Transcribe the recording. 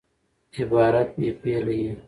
عبارت بې فعله يي.